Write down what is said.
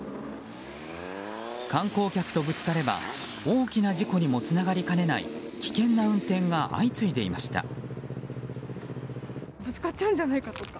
観光客とぶつかれば大きな事故にもつながりかねない危険な運転が相次いでいました。